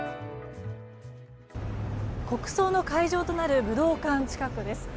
国葬の会場となる武道館近くです。